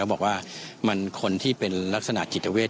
บอกว่ามันคนที่เป็นลักษณะจิตเวท